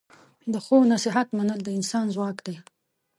د ښو نصیحت منل د انسان ځواک دی.